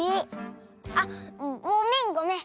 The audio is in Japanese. あっごめんごめん。